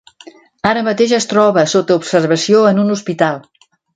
Ara mateix es troba sota observació en un hospital.